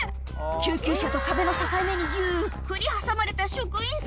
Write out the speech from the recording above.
救急車と壁の境目にゆっくり挟まれた職員さん